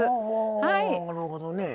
はなるほどね。